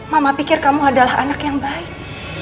mama pikir kamu adalah anak yang baik